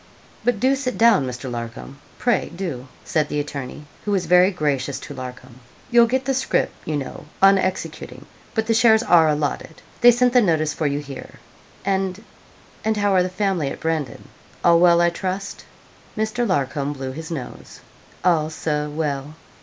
'But do sit down, Mr. Larcom pray do,' said the attorney, who was very gracious to Larcom. 'You'll get the scrip, you know, on executing, but the shares are allotted. They sent the notice for you here. And and how are the family at Brandon all well, I trust?' Mr. Larcom blew his nose. 'All, Sir, well.'